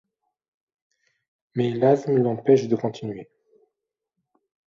Mais l'asthme l'empêche de continuer.